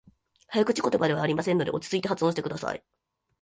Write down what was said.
早口言葉ではありませんので、落ち着いて発音してください。